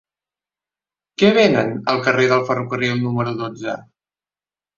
Què venen al carrer del Ferrocarril número dotze?